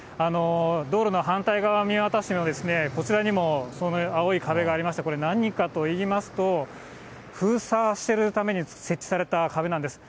道路の反対側を見渡しても、こちらにもその青い壁がありまして、これ何かといいますと、封鎖しているために、設置された壁なんです。